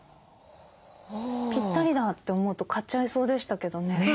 ぴったりだって思うと買っちゃいそうでしたけどね。